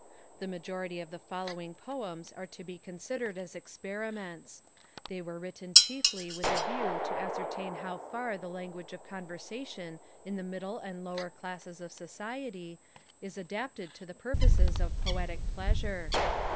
The majority of the following poems are to be considered as experiments. They were written chiefly with a view to ascertain how far the language of conversation in the middle and lower classes of society is adapted to the purposes of poetic pleasure.